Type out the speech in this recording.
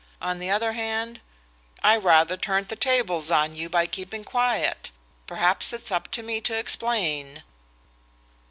On the other hand, I rather turned the tables on you by keeping quiet. Perhaps it's up to me to explain."